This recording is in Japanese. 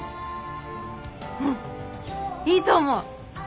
うんいいと思う！